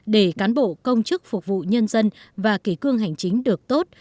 để cán bộ công chức phục vụ nhân dân và kỳ cương hành chính được tốt